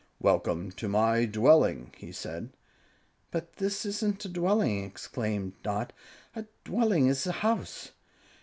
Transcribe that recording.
"Welcome to my dwelling," he said. "But this isn't a dwelling," exclaimed Dot. "A dwelling is a house."